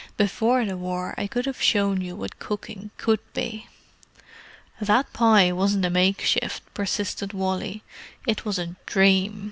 "Before the war I could have shown you what cooking could be." "That pie wasn't a makeshift," persisted Wally. "It was a dream.